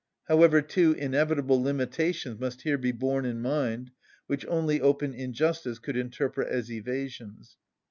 However, two inevitable limitations must here be borne in mind, which only open injustice could interpret as evasions.